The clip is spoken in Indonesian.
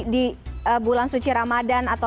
di bulan suci ramadan atau